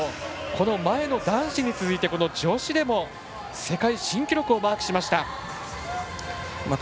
前の男子に続いて女子でも世界新記録をマークしました。